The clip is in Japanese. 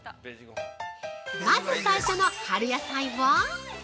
まず最初の春野菜は？